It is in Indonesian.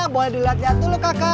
boleh dilihat dulu kakak